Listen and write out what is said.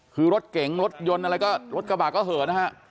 คือรถเก๋งรถยนต์อะไรก็รถกระบะก็เหอะนะฮะ